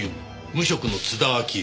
無職の津田明江。